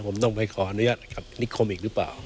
ผมต้องไปขออนุญาตกับนิคมอีกหรือเปล่า